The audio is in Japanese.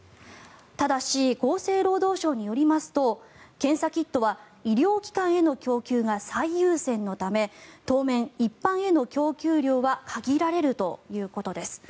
ただし、厚生労働省によりますと検査キットは医療機関への供給が最優先のため当面、一般への供給量は限られるということです。